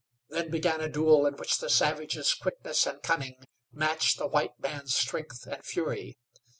Then began a duel in which the savage's quickness and cunning matched the white man's strength and fury.